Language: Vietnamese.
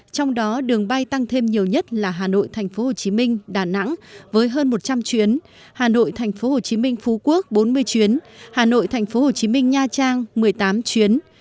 trong đó đường bay tăng thêm nhiều nhất là hà nội tp hcm đà nẵng với hơn một trăm linh chuyến hà nội tp hcm phú quốc bốn mươi chuyến hà nội tp hcm nha trang một mươi tám chuyến